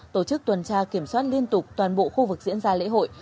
tổ chức tuần tra kiểm soát liên tục toàn bộ khu vực diễn ra lễ hội